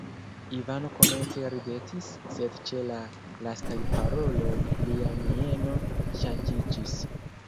Ivano komence ridetis, sed ĉe la lastaj paroloj lia mieno ŝanĝiĝis.